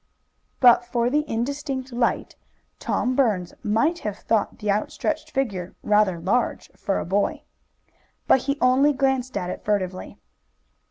But for the indistinct light Tom Burns might have thought the outstretched figure rather large for a boy. But he only glanced at it furtively.